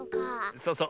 そうそう。